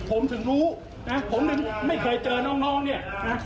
ผมถึงรู้ผมถึงไม่เคยเจอน้องเนี่ย